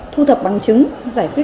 thu thập bằng chứng giải quyết